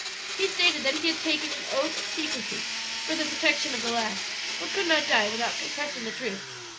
He stated that he had taken an oath of secrecy, for the protection of the lad, but could not die without confessing the truth."